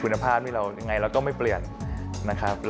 คุณภาพนี่เรายังไงเราต้องไม่เปลี่ยนนะครับ